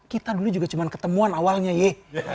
kita dulu juga cuma ketemuan awalnya ye